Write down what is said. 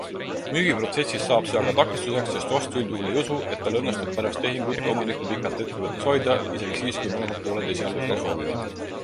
Müügiprotsessis saab see aga takistuseks, sest ostja üldjuhul ei usu, et tal õnnestub pärast tehingut omanikku pikalt ettevõttes hoida, isegi siis kui mõlemad pooled esialgu seda soovivad.